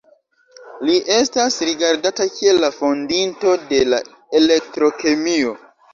Li estas rigardata kiel la fondinto de la elektro-kemio.